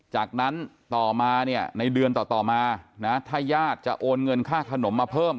จากนั้นต่อมาเนี่ยในเดือนต่อมานะถ้าญาติจะโอนเงินค่าขนมมาเพิ่ม